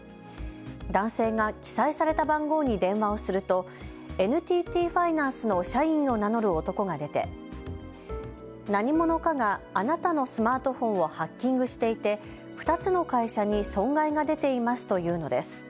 男性が記載された番号に電話をするとＮＴＴファイナンスの社員を名乗る男が出て、何者かがあなたのスマートフォンをハッキングしていて２つの会社に損害が出ていますというのです。